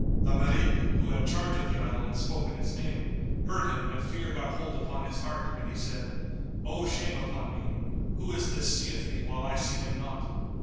The Marid who had charge of the idol and spoke in its name, heard him and fear got hold upon his heart and he said, "O shame upon me! Who is this seeth me while I see him not?"